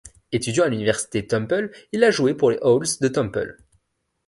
Étudiant à l'université Temple, il a joué pour les Owls de Temple.